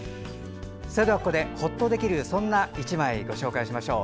ここでほっとできるそんな１枚をご紹介しましょう。